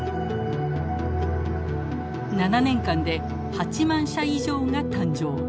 ７年間で８万社以上が誕生。